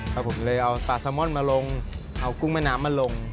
ครับผมเลยเอาปลาซาม่อนมาลงเอากุ้งแม่น้ำมาลง